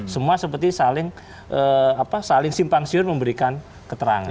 semua seperti saling simpang siur memberikan keterangan